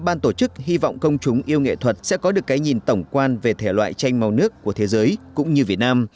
ban tổ chức hy vọng công chúng yêu nghệ thuật sẽ có được cái nhìn tổng quan về thể loại tranh màu nước của thế giới cũng như việt nam